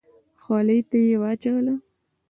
خولې ته يې واچوله.